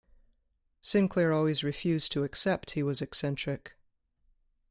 Sinclair always refused to accept he was eccentric.